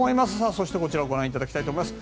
そしてこちらご覧いただきたいと思います。